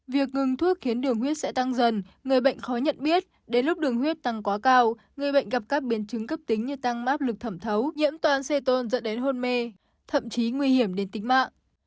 việc ngừng thuốc khiến đường huyết sẽ tăng dần người bệnh khó nhận biết đến lúc đường huyết tăng quá cao người bệnh gặp các biến chứng cấp tính như tăng áp lực thẩm thấu nhiễm toàn xe tôn dẫn đến hôn mê thậm chí nguy hiểm đến tính mạng